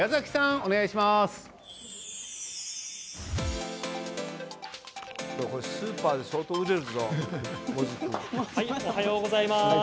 おはようございます。